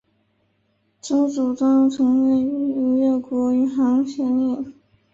曾祖盛珰曾为吴越国余杭县令。